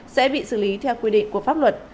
sẽ bị xử lý theo quy định của pháp luật